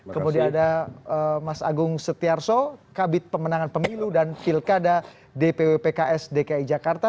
kemudian ada mas agung setiarso kabit pemenangan pemilu dan pilkada dpw pks dki jakarta